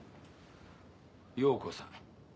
洋子さん